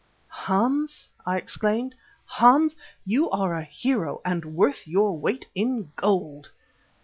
"Hans," I exclaimed, "Hans, you are a hero and worth your weight in gold!"